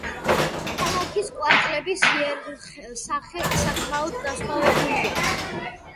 ქალაქის კვარტლების იერსახე საკმაოდ განსხვავებულია.